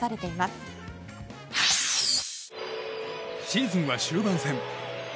シーズンは終盤戦。